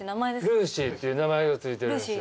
ルーシーっていう名前が付いてるんですよ。